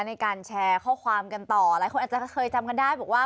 ในการแชร์ข้อความกันต่อหลายคนอาจจะเคยจำกันได้บอกว่า